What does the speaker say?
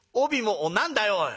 「何だよおい。